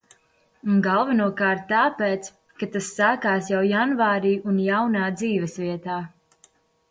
Galvenokārt tāpēc, ka tas sākās jau janvārī un jaunā dzīvesvietā.